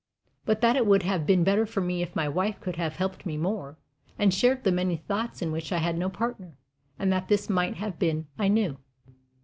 But that it would have been better for me if my wife could have helped me more, and shared the many thoughts in which I had no partner, and that this might have been I knew.